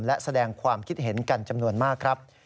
และแสดงความคิดเห็นกันจำนวนมากครับ